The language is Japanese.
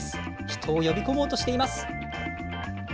人を呼び込もうとしています。